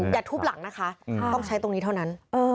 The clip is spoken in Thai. อย่าทุบหลังก็ใช้ตรงนี้เท่านั้น